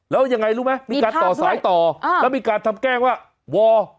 แล้วยังไงรู้ไหมมีการต่อสายต่อแล้วมีการทำแกล้งว่าว